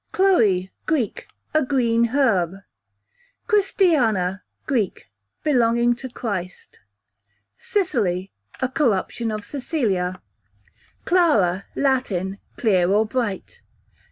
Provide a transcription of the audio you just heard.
Chloe, Greek, a green herb. Christiana, Greek, belonging to Christ. Cicely, a corruption of Cecilia, q.v. Clara, Latin, clear or bright.